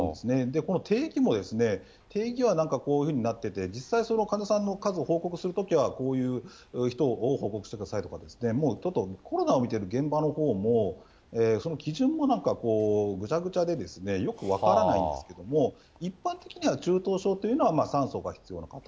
この定義も、定義はなんかこういうふうになってて、それ、実際の患者さんの数を報告するときは、こういう人を報告してくださいとか、もうちょっとコロナを診ている現場のほうもその基準もなんかぐちゃぐちゃで、よく分からないんですけど、一般的には中等症というのは酸素が必要な方。